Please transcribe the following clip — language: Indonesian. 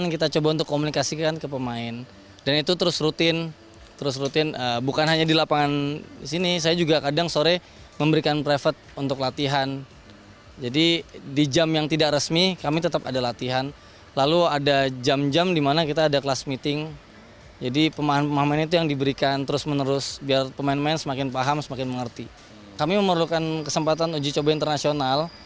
kami membutuhkan kesempatan uji coba internasional